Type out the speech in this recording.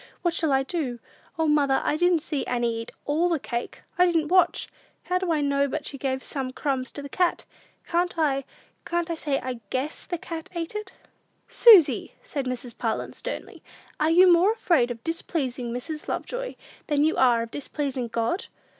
"What shall I do? O, mother, I didn't see Annie eat all the cake; I didn't watch. How do I know but she gave some crumbs to the cat? Can't I can't I say, I guess the cat ate it?" "Susy!" said Mrs. Parlin, sternly, "are you more afraid of displeasing Mrs. Lovejoy than you are of displeasing God?